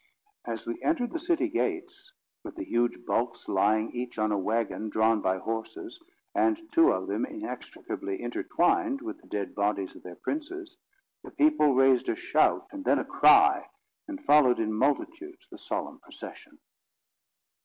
As we entered the city gates, with the huge bulks lying each on a waggon drawn by horses, and two of them inextricably intertwined with the dead bodies of their princes, the people raised a shout and then a cry, and followed in multitudes the solemn procession.